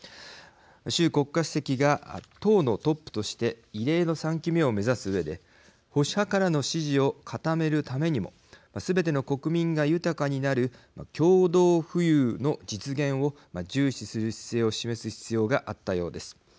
習国家主席が党のトップとして異例の３期目を目指すうえで保守派からの支持を固めるためにもすべての国民が豊かになる共同富裕の実現を重視する姿勢を示す必要があったようです。